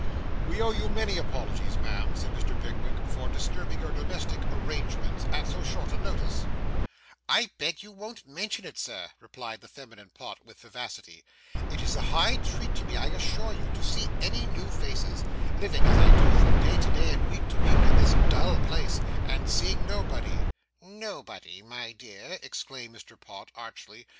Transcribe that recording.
'We owe you many apologies, ma'am,' said Mr. Pickwick, 'for disturbing your domestic arrangements at so short a notice.' 'I beg you won't mention it, sir,' replied the feminine Pott, with vivacity. 'It is a high treat to me, I assure you, to see any new faces; living as I do, from day to day, and week to week, in this dull place, and seeing nobody.' 'Nobody, my dear!' exclaimed Mr. Pott archly.